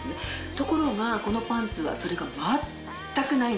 ところがこのパンツはそれが全くないんです。